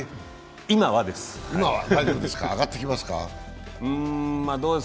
今はです。